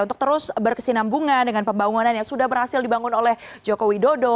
untuk terus berkesinambungan dengan pembangunan yang sudah berhasil dibangun oleh joko widodo